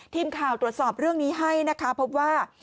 ทีมข่าวตรวจสอบเรื่องนี้ให้นะคะพบว่า